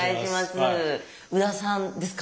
宇田さんですか？